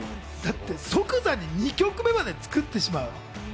だって即座に２曲目まで作ってしまう。